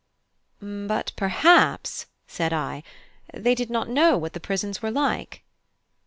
"But perhaps," said I, "they did not know what the prisons were like."